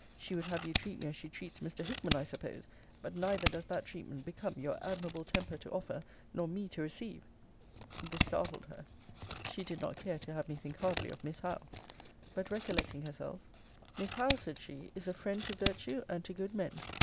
She would have you treat me, as she treats Mr. Hickman, I suppose: but neither does that treatment become your admirable temper to offer, nor me to receive. This startled her. She did not care to have me think hardly of Miss Howe. But recollecting herself, Miss Howe, said she, is a friend to virtue, and to good men.